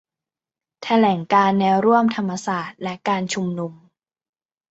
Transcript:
แถลงการณ์แนวร่วมธรรมศาสตร์และการชุมนุม